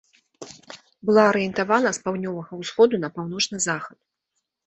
Была арыентавана з паўднёвага ўсходу на паўночны захад.